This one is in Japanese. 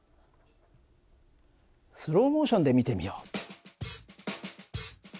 スローモーションで見てみよう。